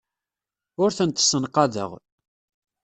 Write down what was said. Ur tent-ssenqaḍeɣ.